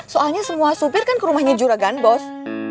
soalnya semua supir kan ke rumahnya juragan bos